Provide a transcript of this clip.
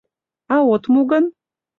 — А от му гын?